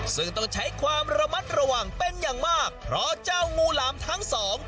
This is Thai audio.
ซึ่งต้องใช้ความระมัดระวังเป็นอย่างมากเพราะเจ้างูหลามทั้งสอง